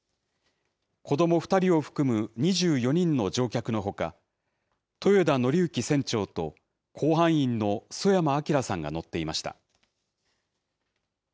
子ども２人を含む２４人の乗客のほか、豊田徳幸船長と、甲板員の曽山聖さんが乗っていました。